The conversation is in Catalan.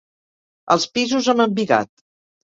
Els pisos amb embigat.